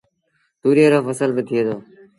توريئي رو ڦسل با ٿئي دو۔